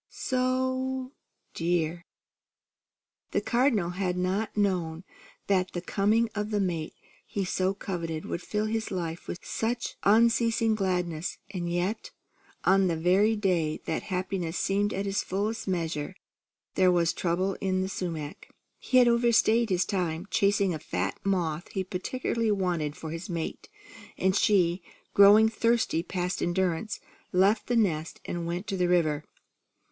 So dear!" The Cardinal had not known that the coming of the mate he so coveted would fill his life with such unceasing gladness, and yet, on the very day that happiness seemed at fullest measure, there was trouble in the sumac. He had overstayed his time, chasing a fat moth he particularly wanted for his mate, and she, growing thirsty past endurance, left the nest and went to the river.